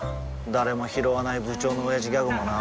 誰もひろわない部長のオヤジギャグもな